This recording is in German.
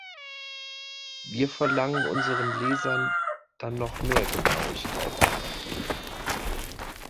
Wir verlangen unseren Lesern dann noch mehr Genauigkeit ab.